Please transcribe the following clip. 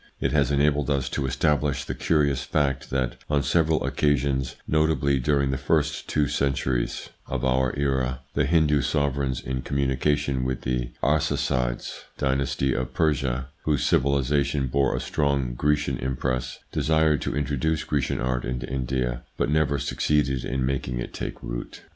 It has enabled us to establish the curious fact that, on several occasions, notably during the first two cen n8 THE PSYCHOLOGY OF PEOPLES : turies of our era, the Hindu sovereigns in communi cation with the Arsacides dynasty of Persia, whose civilisation bore a strong Grecian impress, desired to introduce Grecian art into India, but never succeeded in making it take root.